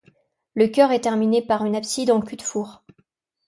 Le chœur est terminé par une abside en cul-de-four.